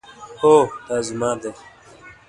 هو، دا زما دی